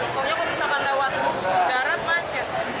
soalnya kalau misalkan lewat garat macet